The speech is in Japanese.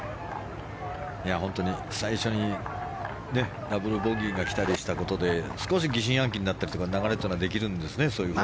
本当に最初にダブルボギーが来たりしたことで少し疑心暗鬼になったりとかそういう流れができるんですね。